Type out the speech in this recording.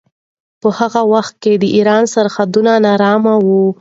په هغه وخت کې د ایران سرحدونه ناارامه وو.